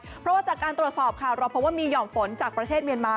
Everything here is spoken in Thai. เพราะว่าจากการตรวจสอบค่ะเราพบว่ามีห่อมฝนจากประเทศเมียนมา